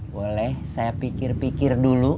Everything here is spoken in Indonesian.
boleh saya pikir pikir dulu